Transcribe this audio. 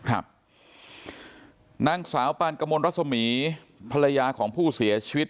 นางสาวปานกมลรัศมีภรรยาของผู้เสียชีวิต